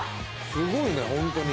すごいねホントに。